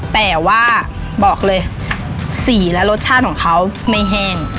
แต่ว่าบอกเลยสีและรสชาติของเขาไม่แห้ง